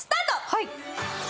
はい。